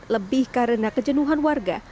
lebih karena kejenuhan warga